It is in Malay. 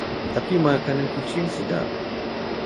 Tapi, makanan kucing sedap.